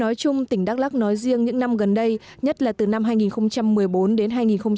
nói chung tỉnh đắk lắc nói riêng những năm gần đây nhất là từ năm hai nghìn một mươi bốn đến hai nghìn một mươi tám